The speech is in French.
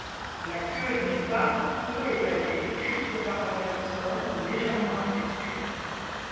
La queue n’est pas ou peu étalée, juste parallèle au sol ou légèrement abaissée.